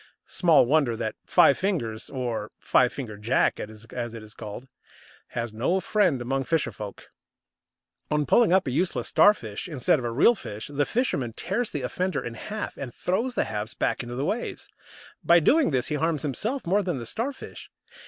Small wonder that Five fingers, or Five fingered Jack, as it is called, has no friend among fisher folk. On pulling up a useless Starfish instead of a real fish, the fisherman tears the offender in half and throws the halves back into the waves. By doing this he harms himself more than the Starfish!